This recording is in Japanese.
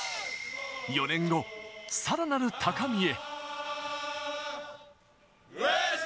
４年後、さらなる高みへ。